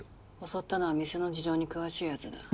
襲ったのは店の事情に詳しいやつだ。